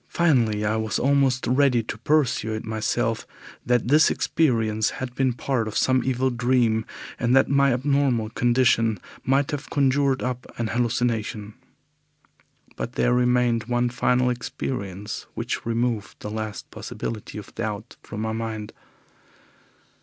Finally, I was almost ready to persuade myself that this experience had been part of some evil dream, and that my abnormal condition might have conjured up an hallucination. But there remained one final experience which removed the last possibility of doubt from my mind.